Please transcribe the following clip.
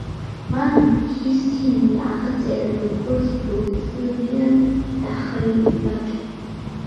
მან ისინი აღწერა როგორც ბორცვიან დახრილი ვაკე.